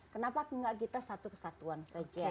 kenapa enggak kita satu kesatuan saja